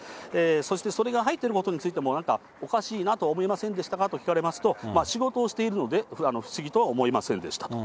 そしてそれが入ってることについても、なんかおかしいなと思いませんでしたか？と聞かれますと、仕事をしているので、不思議とは思いませんでしたと。